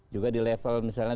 juga di level misalnya